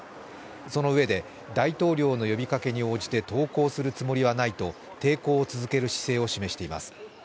そのうえで、大統領の呼びかけに応じて投降するつもりはないと抵抗を続ける姿勢を示しています。